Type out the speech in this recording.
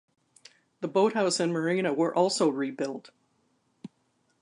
The boat house and marina were also rebuilt.